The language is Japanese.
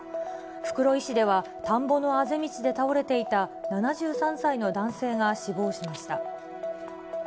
袋井市では田んぼのあぜ道で倒れていた７３歳の男性が死亡しました。